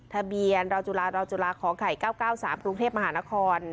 ทะเบียนราวจุฬารอจุฬาขอไข่๙๙๓กรุงเทพมหานคร